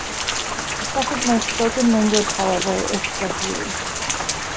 The second most-spoken language however is Swahili.